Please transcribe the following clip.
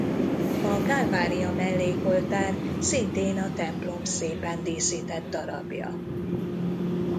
A Kálvária mellékoltár szintén a templom szépen díszített darabja.